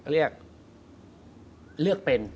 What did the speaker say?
เรียกเลือกเป็น